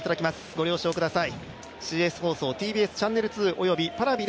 ご了承ください。